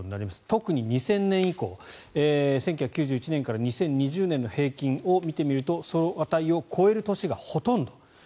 特に２０００年以降１９９１年から２０２０年の平均を見てみるとその値を超える年がほとんど。